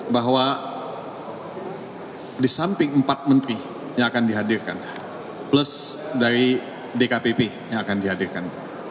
bahwa di samping empat menteri yang akan dihadirkan plus dari dkpp yang akan dihadirkan